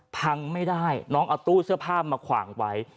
พังไม่ได้น้องเอาตู้เสื้อผ้ามาขวางไว้